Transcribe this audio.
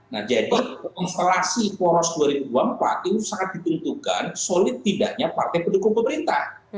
nah jadi konstelasi poros dua ribu dua puluh empat itu sangat ditentukan solid tidaknya partai pendukung pemerintah